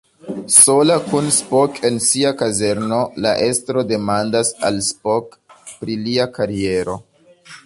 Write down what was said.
Sola kun Spock en sia kazerno, la estro demandas al Spock pri lia kariero.